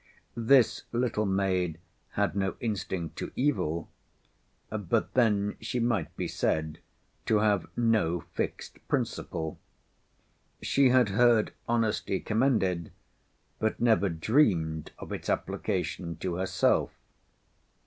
This little maid had no instinct to evil, but then she might be said to have no fixed principle. She had heard honesty commended, but never dreamed of its application to herself.